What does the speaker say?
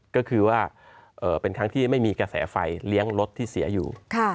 ก็คือว่าเป็นครั้งที่ไม่มีกระแสไฟเลี้ยงรถที่เสียอยู่